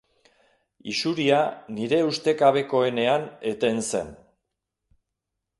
Isuria nire ustekabekoenean eten zen.